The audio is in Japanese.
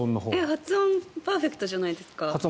発音パーフェクトじゃないですか？